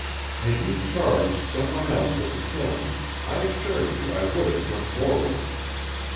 Had you charged someone else with the killing I assure you I would have come forward.